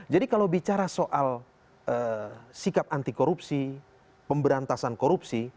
jadi kalau bicara soal sikap anti korupsi pemberantasan korupsi